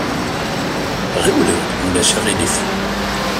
Ɣiwlemt ma ulac aɣilif!